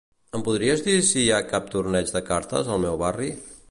Em podries dir si hi ha cap torneig de cartes al meu barri?